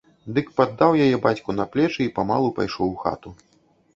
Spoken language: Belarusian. Дык паддаў яе бацьку на плечы й памалу пайшоў у хату.